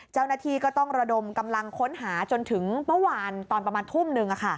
เจ้าหน้าที่ก็ต้องระดมกำลังค้นหาจนถึงเมื่อวานตอนประมาณทุ่มหนึ่ง